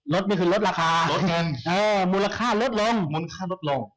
ลดมันคือลดราคามูลค่าลดลง